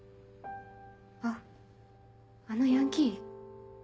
あっあのヤンキー？